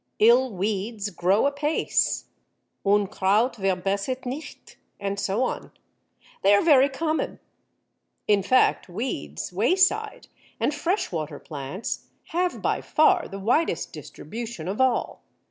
"Ill weeds grow apace," Unkraut verbessert nicht, and so on. They are very common. In fact weeds, wayside, and freshwater plants, have by far the widest distribution of all.